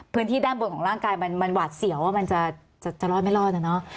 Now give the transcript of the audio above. พื้นที่ด้านบนของร่างกายมันหวาดเสียวมันจะรอดไม่รอดนะเนาะ